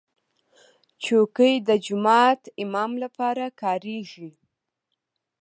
چوکۍ د جومات امام لپاره کارېږي.